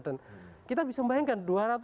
dan kita bisa membahangkan